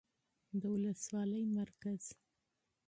، د ولسوالۍ مرکز